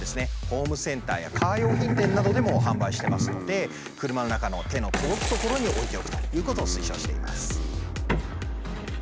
ホームセンターやカー用品店などでも販売してますので車の中の手の届く所に置いておくということを推奨しています。